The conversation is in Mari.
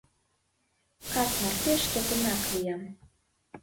— Кас марте шкетынак лиям.